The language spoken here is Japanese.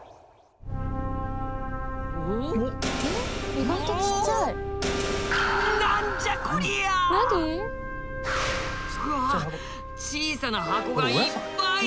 うわ小さな箱がいっぱい！